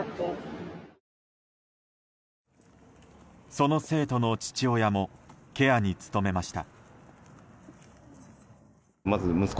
その生徒の父親もケアに努めました。